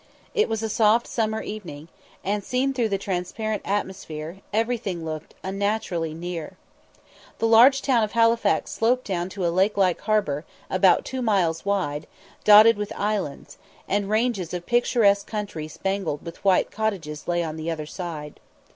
It was a soft summer evening, and, seen through the transparent atmosphere, everything looked unnaturally near. The large town of Halifax sloped down to a lake like harbour, about two miles wide, dotted with islands; and ranges of picturesque country spangled with white cottages lay on the other side.